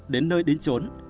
đến nơi đến trốn